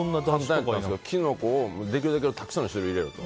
キノコをできるだけたくさんの種類入れると。